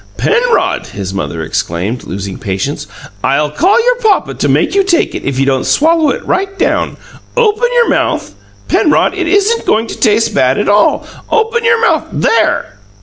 "Penrod," his mother exclaimed, losing patience, "I'll call your papa to make you take it, if you don't swallow it right down! Open your mouth, Penrod! It isn't going to taste bad at all. Open your mouth THERE!"